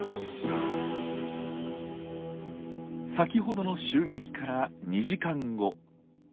先ほどの襲撃から２時間後。